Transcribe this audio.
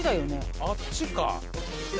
あっちか。